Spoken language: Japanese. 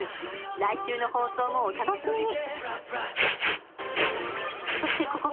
来週の放送もお楽しみに！